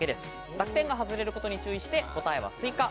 濁点が外れることに注意して答えはスイカ。